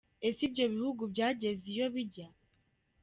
Ese ibyo bihugu byageze iyo bijya ?.